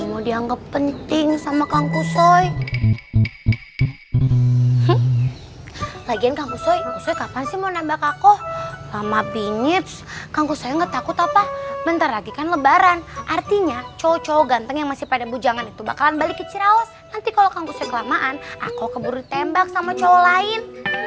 nanti kalau kang kusoy kelamaan aku akan buru tembak sama cowok lain